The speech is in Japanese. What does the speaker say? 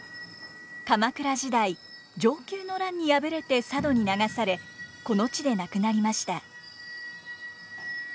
鎌倉時代承久の乱に敗れて佐渡に流されこの地で亡くなりました。